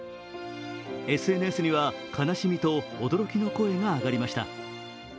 ＳＮＳには悲しみと驚きの声が上がりました。